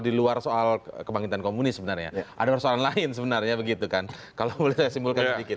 di luar soal kebangkitan komunis sebenarnya ada persoalan lain sebenarnya begitu kan kalau boleh saya simpulkan sedikit